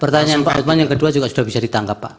pertanyaan pak lutman yang kedua juga sudah bisa ditangkap pak